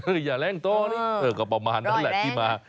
อย่าแรงโตนี่ก็ประมาณนั้นแหละที่มา